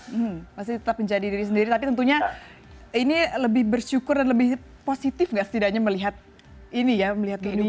hmm masih tetap menjadi diri sendiri tapi tentunya ini lebih bersyukur dan lebih positif nggak setidaknya melihat ini ya melihat kehidupan